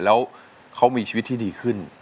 แล้วเขามีชีวิตที่ดีขึ้น